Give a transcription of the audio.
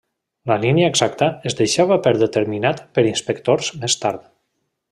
La línia exacta es deixava per determinat per inspectors més tard.